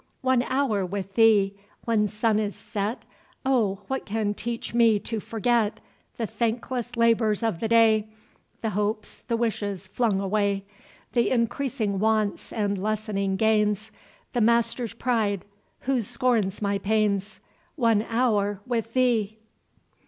One hour with thee!—When sun is set, O, what can teach me to forget The thankless labours of the day; The hopes, the wishes, flung away: The increasing wants, and lessening gains, The master's pride, who scorns my pains?— One hour with thee!